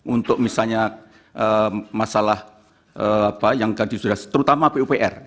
untuk misalnya masalah terutama pupr